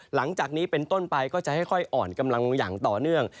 หลังจากนี้เป็นต้นไปก็จะค่อยอ่อนกำลังอย่างต่อเนื่อง